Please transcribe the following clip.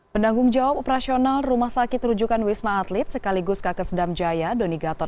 pendanggung jawab operasional rumah sakit terujukan wisma atlet sekaligus kaket sedam jaya doni gatot